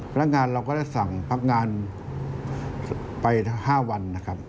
พนักงานเราก็ได้สั่งพักงานไป๕วัน